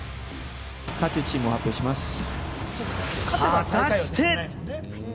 果たして？